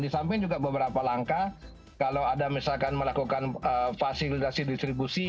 di samping juga beberapa langkah kalau ada misalkan melakukan fasilitasi distribusi